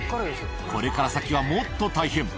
これから先はもっと大変。